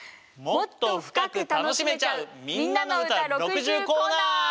もっと深く楽しめちゃう「みんなのうた６０」コーナー！